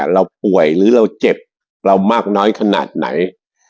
เราป่วยหรือเราเจ็บเรามากน้อยขนาดไหน